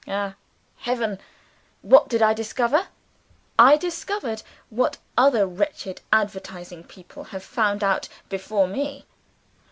Ah, heaven! what did I discover? I discovered what other wretched advertising people have found out before me.